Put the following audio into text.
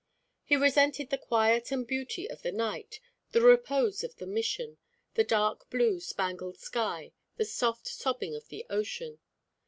He resented the quiet and beauty of the night, the repose of the Mission, the dark blue spangled sky, the soft sobbing of the ocean.